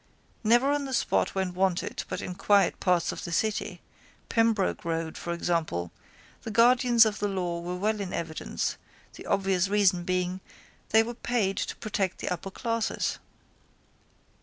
Never on the spot when wanted but in quiet parts of the city, Pembroke road for example, the guardians of the law were well in evidence, the obvious reason being they were paid to protect the upper classes.